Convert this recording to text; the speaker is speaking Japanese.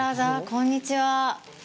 こんにちは。